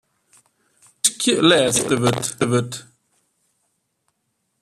Wiskje lêste wurd.